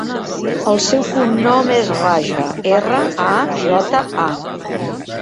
El seu cognom és Raja: erra, a, jota, a.